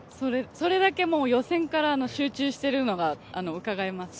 それだけ予選から集中しているのがうかがえます。